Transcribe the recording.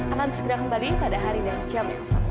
akan segera kembali pada hari dan jam yang satu